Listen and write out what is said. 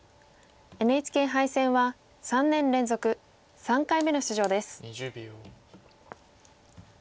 ＮＨＫ杯戦は３年連続３回目の出場です。